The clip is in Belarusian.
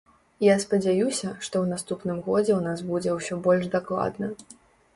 Я спадзяюся, што ў наступным годзе ў нас будзе ўсё больш дакладна.